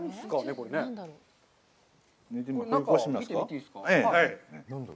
これ、中、見てみていいですか？